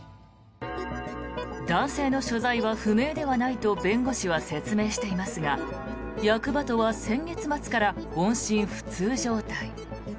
男性の所在は不明ではないと弁護士は説明していますが役場とは先月末から音信不通状態。